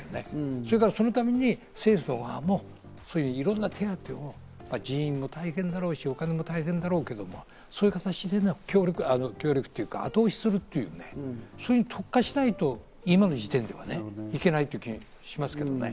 それから、そのために政府の側もいろんな手当を、人員も大変だし、お金も大変だろうけど、そういう形で協力というか後押しする、そういうふうに特化しないと、今の時点ではいけないという気がしますけどね。